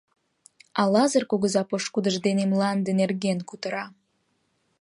А Лазыр кугыза пошкудыж дене мланде нерген кутыра.